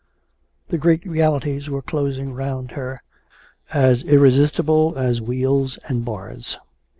... The great realities were closing round her, as irresistible as wheels and bars.